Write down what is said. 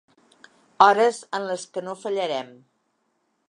Hores en les que no fallarem.